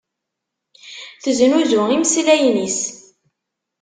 Teznuzu imeslayen-is.